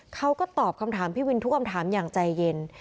เขาก็ตอบคำถามพี่วินทุกคำถามอย่างใจเย็น